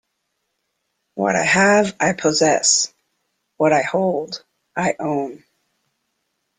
What I have, I possess; what I hold, I own.